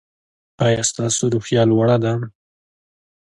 ایا ستاسو روحیه لوړه ده؟